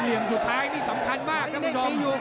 เหลี่ยมสุดท้ายนี่สำคัญมากท่านผู้ชม